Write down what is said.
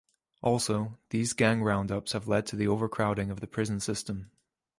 Also, these gang round-ups have led to the overcrowding of the prison system.